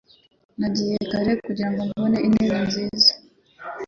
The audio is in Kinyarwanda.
Nagiye kare kugirango mbone intebe nziza